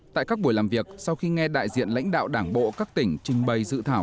tại các buổi làm việc sau khi nghe đại diện lãnh đạo đảng bộ các tỉnh trình bày dự thảo